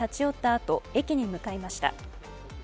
あと駅に向かいました。